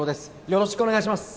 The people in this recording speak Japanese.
よろしくお願いします